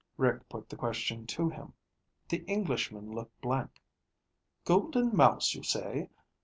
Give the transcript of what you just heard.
Rick put the question to him. The Englishman looked blank. "Golden Mouse, you say?